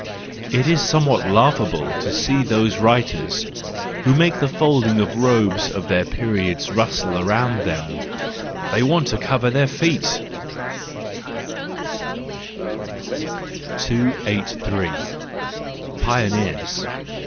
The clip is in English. —It is something laughable to see those writers who make the folding robes of their periods rustle around them : they want to cover their feet, 283. Pioneers